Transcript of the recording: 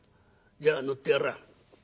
じゃあ乗ってやらあ」。